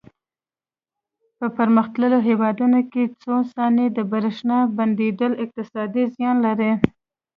په پرمختللو هېوادونو کې څو ثانیې د برېښنا بندېدل اقتصادي زیان لري.